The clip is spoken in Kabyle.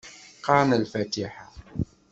Qqaren lfatiḥa.